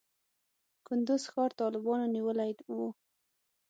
کندز ښار طالبانو نیولی و.